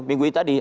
minggu itu tadi